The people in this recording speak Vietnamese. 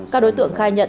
các đối tượng khai nhận